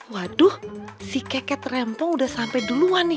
waduh si keket rempong udah sampai duluan nih